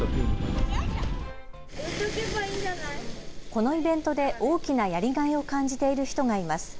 このイベントで大きなやりがいを感じている人がいます。